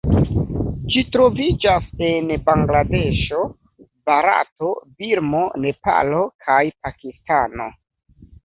Ĝi troviĝas en Bangladeŝo, Barato, Birmo, Nepalo kaj Pakistano.